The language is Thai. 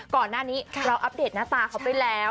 ก่อนหน้านี้เราอัปเดตหน้าตาเขาไปแล้ว